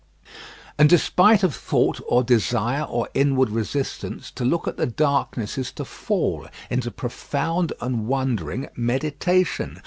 And despite of thought or desire or inward resistance, to look at the darkness is to fall into profound and wondering meditation.